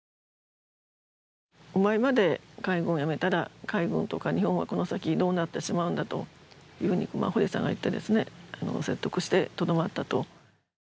お前まで海軍を辞めたら、海軍とか日本はこの先どうなってしまうんだと堀さんが言って、説得してとどまったと。